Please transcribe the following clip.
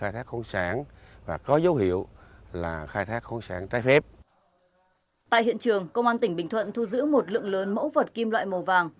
tại hiện trường công an tỉnh bình thuận thu giữ một lượng lớn mẫu vật kim loại màu vàng